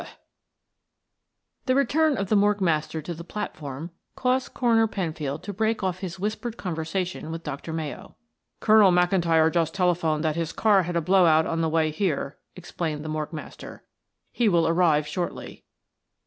"B B B" The return of the morgue master to the platform caused Coroner Penfield to break off his whispered conversation with Dr. Mayo. "Colonel McIntyre just telephoned that his car had a blow out on the way here," explained the morgue master. "He will arrive shortly."